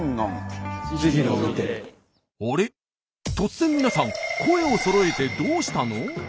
突然皆さん声をそろえてどうしたの？